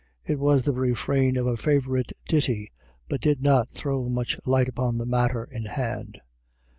It was the refrain of a favourite ditty, but did not throw much light upon the matter in hand.